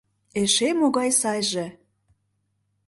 — Эше могай сайже!..